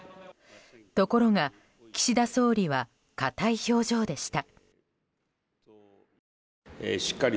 ところが、岸田総理は硬い表情でした。